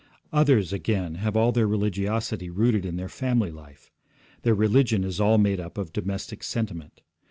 Others, again, have all their religiosity rooted in their family life. Their religion is all made up of domestic sentiment.